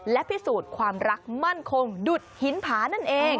และพิสูจน์ความรักมั่นคงดุดหินผานั่นเอง